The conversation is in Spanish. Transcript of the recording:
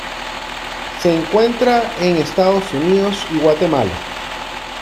Se encuentra en Estados Unidos y Guatemala.